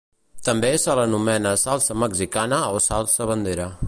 També se l'anomena salsa mexicana o salsa bandera.